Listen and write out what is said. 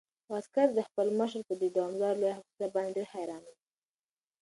عسکر د خپل مشر په دې دومره لویه حوصله باندې ډېر حیران و.